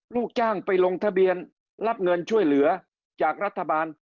ลูกจ้างไปลงทะเบียนรับเงินช่วยเหลือจากรัฐบาล